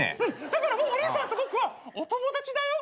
「だからもうお兄さんと僕はお友達だよ」